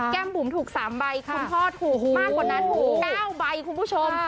บุ๋มถูก๓ใบคุณพ่อถูกมากกว่านั้นถูก๙ใบคุณผู้ชม